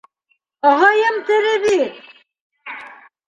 - Ағайым тере бит!